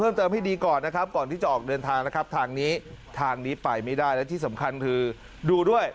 ไม่ได้และที่สำคัญคือดูด้วย